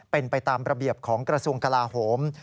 เป็นไปตามระเบียบของกระทรวงกลาโหม